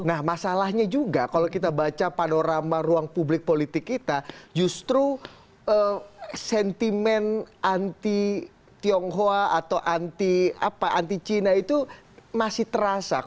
nah masalahnya juga kalau kita baca panorama ruang publik politik kita justru sentimen anti tionghoa atau anti cina itu masih terasa